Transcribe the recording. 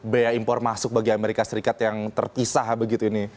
bea impor masuk bagi amerika serikat yang terpisah begitu ini